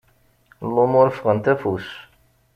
Lumuṛ ffɣent afus.